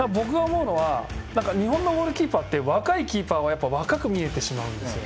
日本のゴールキーパーって若いキーパーが若く見えてしまうんです。